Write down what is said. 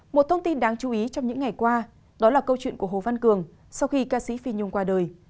một thông tin đáng chú ý trong những ngày qua đó là câu chuyện của hồ văn cường sau khi ca sĩ phi nhung qua đời